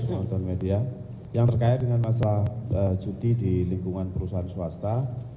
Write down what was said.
teman teman media yang terkait dengan masa cuti di lingkungan perusahaan swasta